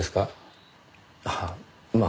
はあまあ。